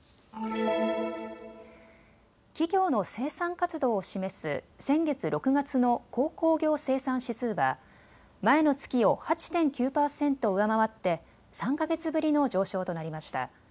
企業の生産活動を示す先月６月の鉱工業生産指数は前の月を８．９％上回って３か月ぶりの上昇となりました。